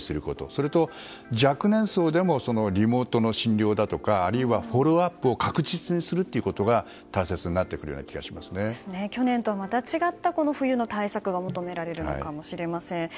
それと、若年層でもリモートの診療だとかあるいはフォローアップを確実にすることが去年とはまた違った冬の対策が求められるのかもしれません。